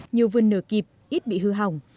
nhiều vườn nở kịp ít bị hư hỏng